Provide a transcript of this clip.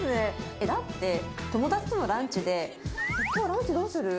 え、だって、友達とのランチで、きょうランチどうする？